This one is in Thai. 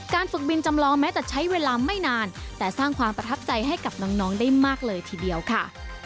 ฝึกบินจำลองแม้จะใช้เวลาไม่นานแต่สร้างความประทับใจให้กับน้องได้มากเลยทีเดียวค่ะ